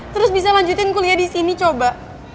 terus bisa lanjutin kuliah di sini coba